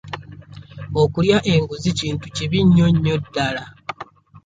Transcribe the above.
Okulya enguzi kintu kibi nnyo nnyo ddala.